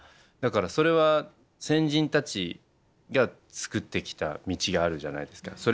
だからそれは先人たちが作ってきた道があるじゃないですか。